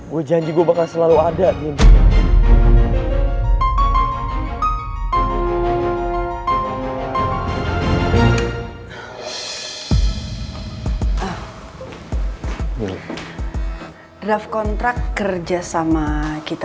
gue janji gue bakal selalu ada din